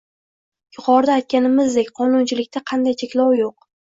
Yuqorida aytganimizdek, qonunchilikda qandaydir cheklov yo‘q